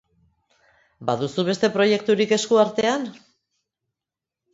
Baduzu beste proiekturik esku artean?